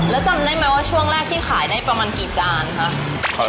แล้วจำได้ไหมว่าช่วงแรกที่ขายได้ประมาณกี่จานคะ